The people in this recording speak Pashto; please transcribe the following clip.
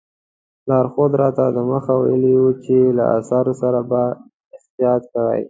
لارښود راته دمخه ویلي وو چې له اثارو سره به احتیاط کوئ.